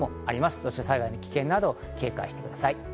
土砂災害の危険などに警戒してください。